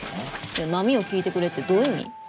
『波よ聞いてくれ』ってどういう意味？